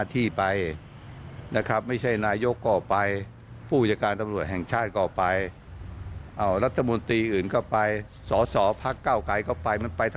ที่ลงพื้นที่ไป